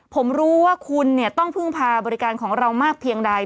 ผมรู้ว่าคุณต้องพึ่งพาบริการของเรามากเพียงใด